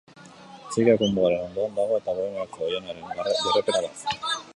Txekiako mugaren ondoan dago eta Bohemiako oihanaren jarraipena da.